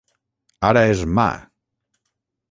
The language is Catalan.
Ara és mà!